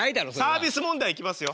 サービス問題いきますよ。